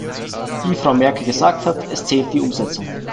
Wie Frau Merkel gesagt hat, es zählt die Umsetzung.